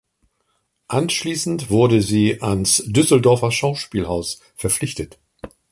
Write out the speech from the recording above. Anschließend wurde sie ans Düsseldorfer Schauspielhaus verpflichtet.